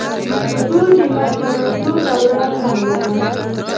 د دوی د منځته راتلو دوره لنډه ده.